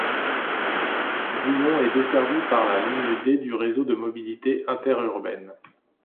Vouillon est desservie par la ligne D du Réseau de mobilité interurbaine.